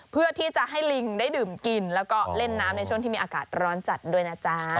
เพื่อที่จะให้ลิงได้ดื่มกินแล้วก็เล่นน้ำในช่วงที่มีอากาศร้อนจัดด้วยนะจ๊ะ